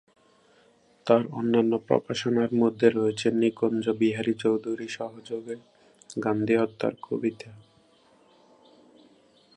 তার অন্যান্য প্রকাশনার মধ্যে রয়েছে, নিকুঞ্জ বিহারী চৌধুরী সহযোগে "গান্ধী হত্যার কবিতা"।